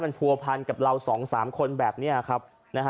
มันพั่วพันกับเราสองสามคนแบบเนี่ยครับ